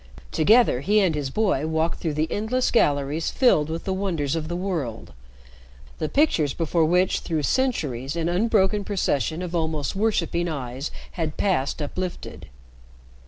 Together he and his boy walked through the endless galleries filled with the wonders of the world, the pictures before which through centuries an unbroken procession of almost worshiping eyes had passed uplifted.